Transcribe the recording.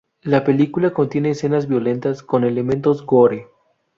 La película contiene escenas violentas con elementos gore.